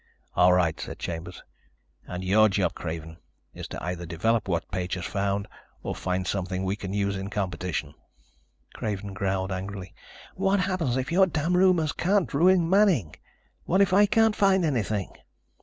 "All right," said Chambers. "And your job, Craven, is to either develop what Page has found or find something we can use in competition." Craven growled angrily. "What happens if your damn rumors can't ruin Manning? What if I can't find anything?"